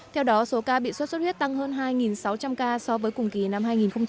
theo đó số ca bị xuất xuất huyết tăng hơn hai sáu trăm linh ca so với cùng kỳ năm hai nghìn một mươi tám